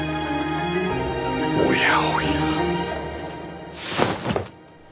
おやおや。